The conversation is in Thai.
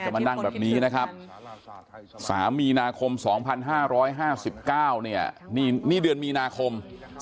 มานั่งแบบนี้นะครับ๓มีนาคม๒๕๕๙เนี่ยนี่เดือนมีนาคม